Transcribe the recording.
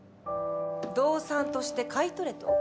動産として買い取れと？